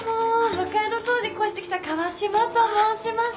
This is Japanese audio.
向かいの棟に越してきた川島と申します。